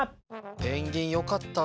ペンギンよかったな。